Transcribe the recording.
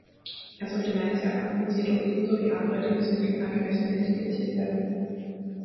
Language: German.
Er sollte meines Erachtens jedoch ebenso wie andere Lebensmittel angemessen etikettiert werden.